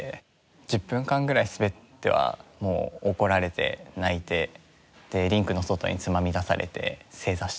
１０分間ぐらい滑っては怒られて泣いてリンクの外につまみ出されて正座してはい。